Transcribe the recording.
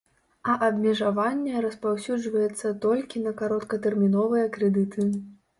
А абмежаванне распаўсюджваецца толькі на кароткатэрміновыя крэдыты.